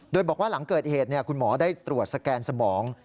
โดยบอกว่าหลังเกิดเหตุคุณหมอได้ตรวจสแกนสมอง